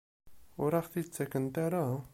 Ur aɣ-t-id-ttakent ara?